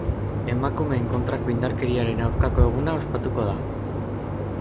Emakumeen kontrako indarkeriaren aurkako eguna ospatuko da.